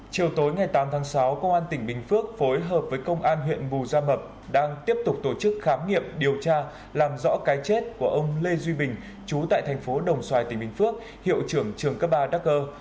chiều tối ngày tám tháng sáu công an tỉnh bình phước phối hợp với công an huyện bù gia mập đang tiếp tục tổ chức khám nghiệm điều tra làm rõ cái chết của ông lê duy bình chú tại thành phố đồng xoài tỉnh bình phước hiệu trưởng trường cấp ba dacker